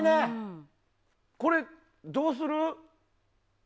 これどうする？